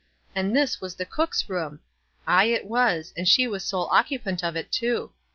Aud this was the cook's room ! Aye, it was, and she was sole occupant of it, too.